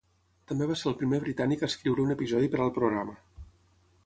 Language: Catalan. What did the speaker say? També va ser el primer britànic a escriure un episodi per al programa.